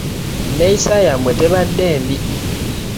Enneeyisa yammwe tebadde mbi.